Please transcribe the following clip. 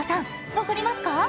分かりますか？